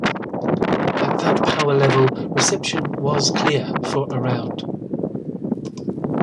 At that power level, reception was clear for around.